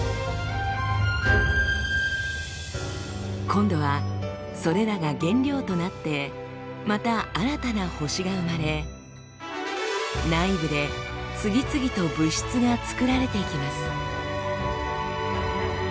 今度はそれらが原料となってまた新たな星が生まれ内部で次々と物質が作られていきます。